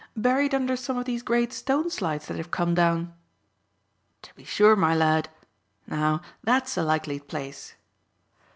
"Buried under some of these great stone slides that have come down?" "To be sure, my lad. Now, that's a likely place."